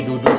eh lebih apa